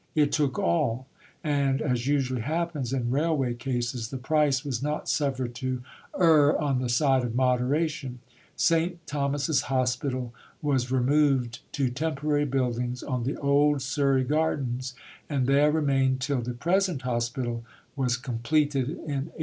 It took all and, as usually happens in railway cases, the price was not suffered to err on the side of moderation. St. Thomas's Hospital was removed to temporary buildings on the old Surrey Gardens, and there remained till the present Hospital was completed in 1871.